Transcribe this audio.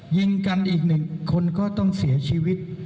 ยิงกันอีกหนึ่งคนก็ต้องเสียชีวิต